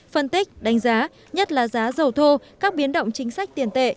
phân tích đánh giá nhất là giá dầu thô các biến động chính sách tiền tệ